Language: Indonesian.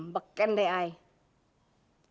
beken deh saya